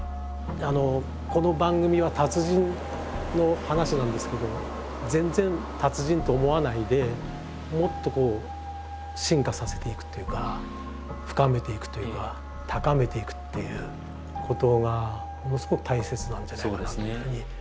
この番組は達人の話なんですけど全然達人と思わないでもっと進化させていくというか深めていくというか高めていくっていうことがものすごく大切なんじゃないかなというふうに。